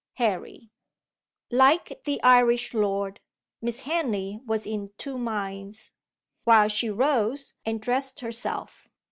"HARRY." Like the Irish lord, Miss Henley was "in two minds," while she rose, and dressed herself.